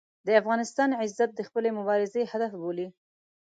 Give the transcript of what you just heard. د افغانستان عزت د خپلې مبارزې هدف بولي.